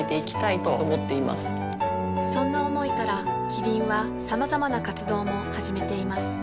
そんな思いからキリンはさまざまな活動も始めています